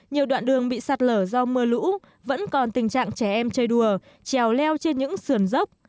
nhiều đoạn đường bị sạt lở do mưa lũ vẫn còn tình trạng trẻ em chơi đùa trèo leo trên những sườn dốc